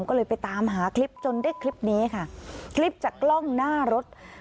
ก็เลยไปตามหาคลิปจนได้คลิปนี้ค่ะคลิปจากกล้องหน้ารถ